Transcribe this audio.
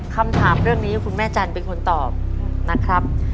คำถามเรื่องนี้คุณแม่จันทร์เป็นคนตอบนะครับ